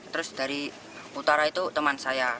terus dari utara itu teman saya